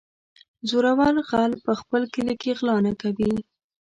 - زورور غل په خپل کلي کې غلا نه کوي.